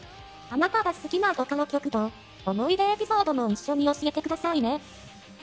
あなたが好きなボカロ曲と思い出エピソードも一緒に教えてくださいね。